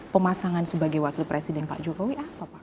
pemasangan sebagai wakil presiden pak jokowi apa pak